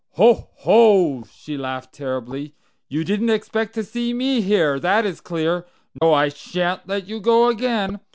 "Ho, ho!" she laughed terribly. "You didn't expect to see me here, that is clear! No, I shan't let you go again.